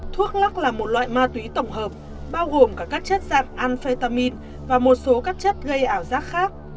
thuốc lắc là một loại ma túy tổng hợp bao gồm cả các chất dạng ănfetamin và một số các chất gây ảo giác khác